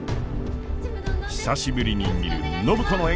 久しぶりに見る暢子の笑顔。